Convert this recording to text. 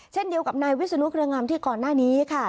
เช่นเดียวกับนายวิศนุเครืองามที่ก่อนหน้านี้ค่ะ